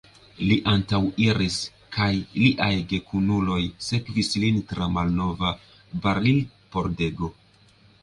Li antaŭiris, kaj liaj gekunuloj sekvis lin tra malnova barilpordego.